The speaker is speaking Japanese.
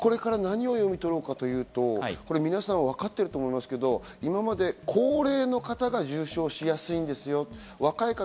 何を読み取ろうかというと、皆さんわかっていると思いますけど、これまで高齢の方が重症化しやすいですよと。